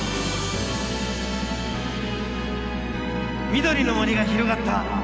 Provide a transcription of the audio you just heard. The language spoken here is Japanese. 緑の森が広がった！